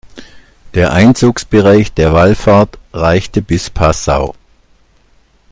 Der Einzugsbereich der Wallfahrt reichte bis Passau.